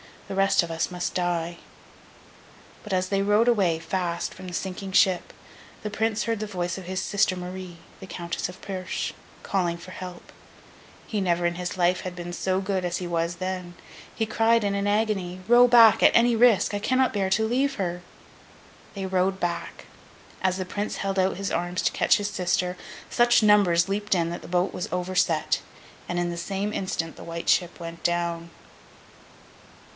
The rest of us must die.' But, as they rowed away, fast, from the sinking ship, the Prince heard the voice of his sister Marie, the Countess of Perche, calling for help. He never in his life had been so good as he was then. He cried in an agony, 'Row back at any risk! I cannot bear to leave her!' They rowed back. As the Prince held out his arms to catch his sister, such numbers leaped in, that the boat was overset. And in the same instant The White Ship went down.